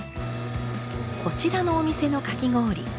こちらのお店のかき氷。